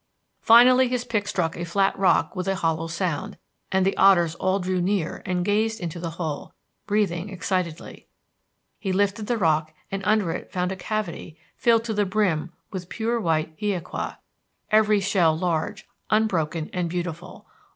Finally his pick struck a flat rock with a hollow sound, and the otters all drew near and gazed into the hole, breathing excitedly. He lifted the rock and under it found a cavity filled to the brim with pure white hiaqua, every shell large, unbroken and beautiful.